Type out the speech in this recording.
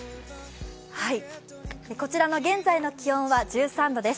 こちらの現在の気温は１３度です。